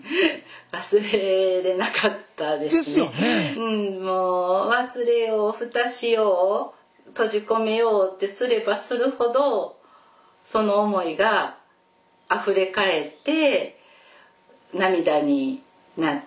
うんもう忘れようふたしよう閉じ込めようってすればするほどその思いがあふれかえって涙になって。